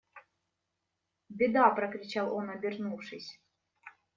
Беда! – прокричал он обернувшись.